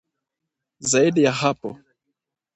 Zaidi ya hapo